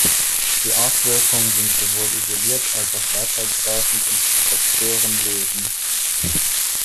Die Auswirkungen sind sowohl isoliert als auch weiter greifend und sie zerstören Leben.